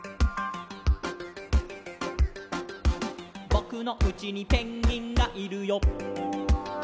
「ぼくのうちにペンギンがいるよ」